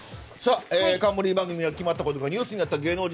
冠番組が決まったことがニュースになった芸能人